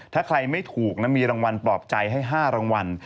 ถ้าใครไม่ถูกนะมีรางวัลปลอบใจให้๕รางวัล